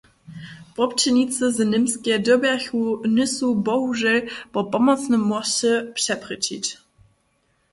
Wobdźělnicy z Němskeje dyrbjachu Nysu bohužel po pomocnym mosće přeprěčić.